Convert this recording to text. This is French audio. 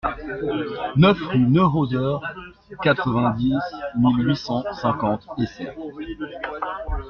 neuf rue Neuhauser, quatre-vingt-dix mille huit cent cinquante Essert